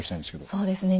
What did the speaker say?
そうですね